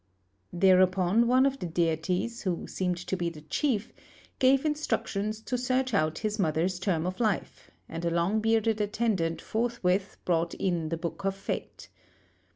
Thereupon one of the deities, who seemed to be the chief, gave instructions to search out his mother's term of life, and a long bearded attendant forthwith brought in the Book of Fate.